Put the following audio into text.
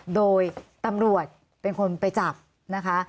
โดยตำรวจเป็นคนไปจับนะคะ